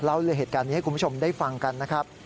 เหตุการณ์นี้ให้คุณผู้ชมได้ฟังกันนะครับ